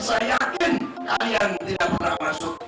saya yakin kalian tidak pernah masuk